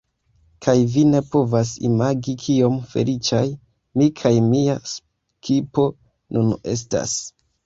Kaj vi ne povas imagi kiom feliĉaj mi kaj mia skipo nun estas